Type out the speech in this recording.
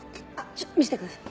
ちょっ見せてください。